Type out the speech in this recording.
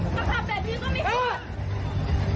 ถ้าทำแบบนี้ก็ไม่พูด